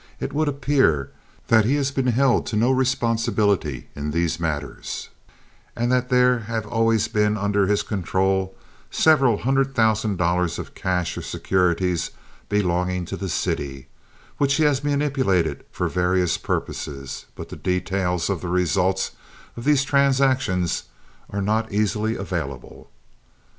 it would appear that he has been held to no responsibility in these matters, and that there have always been under his control several hundred thousand dollars of cash or securities belonging to the city, which he has manipulated for various purposes; but the details of the results of these transactions are not easily available.